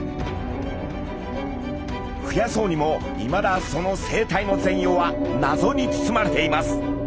増やそうにもいまだその生態の全容は謎に包まれています。